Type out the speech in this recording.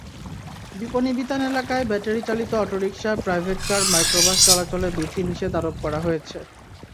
বিপণিবিতান এলাকায় ব্যাটারিচালিত autorickshaw, private car, microbus চলাচলে বিধিনিষেধ আরোপ করা হয়েছে।